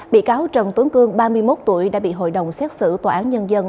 bị cáo trần tuấn cương ba mươi một tuổi đã bị hội đồng xét xử tòa án nhân dân